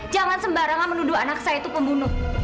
jangan sembarangan menuduh anak saya itu pembunuh